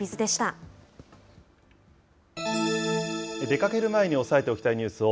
出かける前に押さえておきたいニュースを、